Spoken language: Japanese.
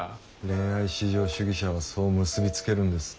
恋愛至上主義者はそう結び付けるんです。